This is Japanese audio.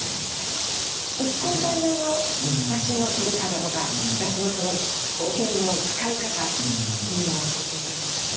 ＩＫＫＯさん流のだしのとり方とかだしのお気に入りの使い方というのを教えて頂けませんか。